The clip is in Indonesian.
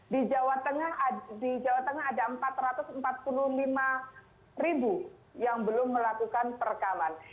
di jawa tengah ada empat ratus empat puluh lima ribu yang belum melakukan perekaman